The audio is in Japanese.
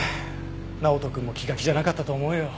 直人くんも気が気じゃなかったと思うよ。